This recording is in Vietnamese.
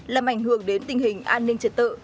làm ảnh hưởng đến tình hình an ninh trật tự